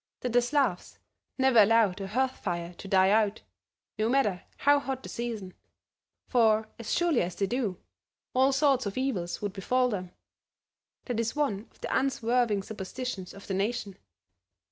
That the Slavs never allow their hearth fire to die out, no matter how hot the season, for as surely as they do, all sorts of evils would befall them; that is one of the unswerving superstitions of the nation.